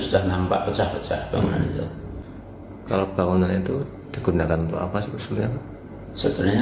sudah nampak pecah pecah bangunan itu kalau bangunan itu digunakan untuk apa sebenarnya